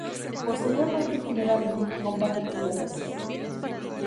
Posteriormente General Milk Company Inc.